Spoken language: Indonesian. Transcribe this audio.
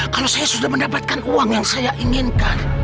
kalau saya sudah mendapatkan uang yang saya inginkan